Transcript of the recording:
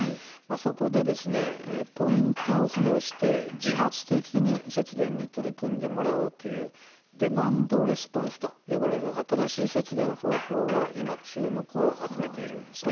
そこでポイントを付与して自発的に節電に取り組んでもらおうというデマンドレスポンスと呼ばれる新しい節電方法が今、注目を集めているんです。